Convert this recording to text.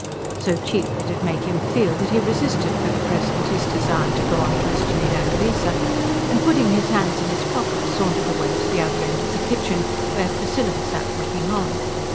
So cheap did it make him feel that he resisted for the present his desire to go on questioning Annalise, and putting his hands in his pockets sauntered away to the other end of the kitchen where Priscilla sat looking on.